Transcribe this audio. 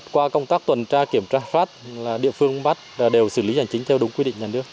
qua công tác tuần tra kiểm tra phát địa phương bắt đều xử lý hành chính theo đúng quy định nhà nước